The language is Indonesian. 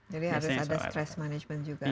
jadi harus ada stress management juga